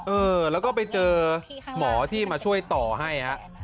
เออแล้วก็ไปเจอหมอที่มาช่วยต่อให้ฮะ